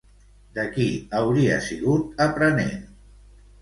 De qui hauria sigut aprenent?